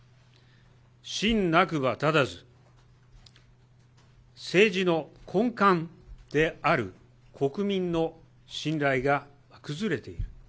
信なくば立たず、政治の根幹である国民の信頼が崩れている。